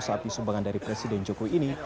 sapi sumbangan dari presiden jokowi ini